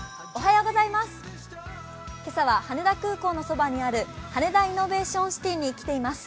今朝は羽田空港のそばにある羽田イノベーションシティに来ています。